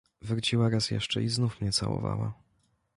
"Wróciła raz jeszcze i znów mnie całowała."